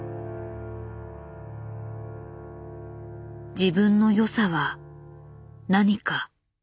自分の良さは何か。